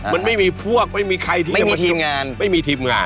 มันไม่มีพวกไม่มีใครที่จะมีทีมงานไม่มีทีมงาน